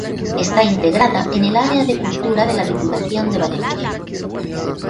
Está integrada en el área de Cultura de la Diputación de Valencia.